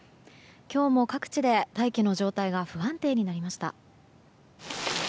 今日も各地で大気の状態が不安定になりました。